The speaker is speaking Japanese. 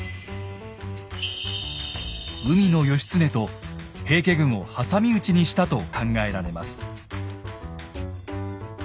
海の義経と平家軍を挟み撃ちにしたと考えられます。